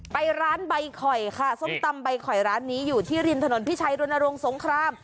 ไปร้านใบข่อยค่ะร้านนี้อยู่ที่รินถนนพิชัยวนลงสงคราม